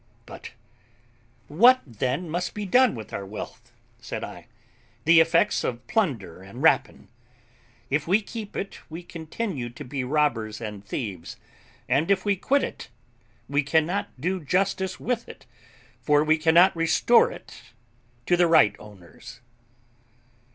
"But what, then, must be done with our wealth," said I, "the effects of plunder and rapine? If we keep it, we continue to be robbers and thieves; and if we quit it we cannot do justice with it, for we cannot restore it to the right owners."